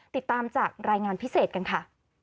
ติดตามจากรายงานพิเศษกันค่ะ